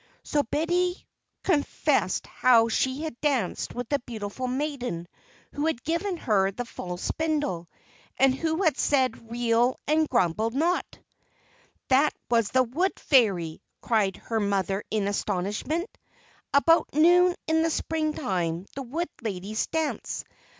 So Betty confessed how she had danced with the beautiful maiden who had given her the full spindle, and who had said: "Reel and grumble not." "That was a Wood Fairy!" cried her mother in astonishment. "About noon in the Spring time, the Wood Ladies dance.